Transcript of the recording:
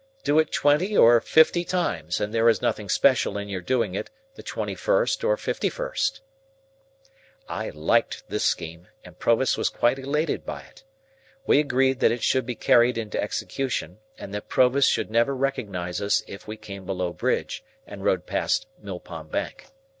Do it twenty or fifty times, and there is nothing special in your doing it the twenty first or fifty first." I liked this scheme, and Provis was quite elated by it. We agreed that it should be carried into execution, and that Provis should never recognise us if we came below Bridge, and rowed past Mill Pond Bank.